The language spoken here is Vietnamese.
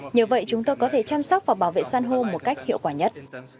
nhờ vậy chúng tôi có thể chăm sóc và bảo vệ săn hô một cách hiệu quả nhất